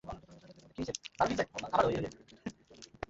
Protestant ও ক্যাথলিকদের মধ্যে ধর্মীয় বিবাদের কারণে এ যুদ্ধ শুরু হয়।